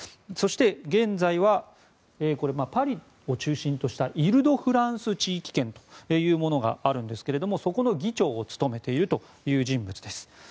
そして、現在はパリを中心としたイルドフランス地域圏というものがあるんですけどそこの議長を務めているという人物です。